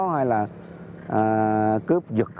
hay là cướp dựt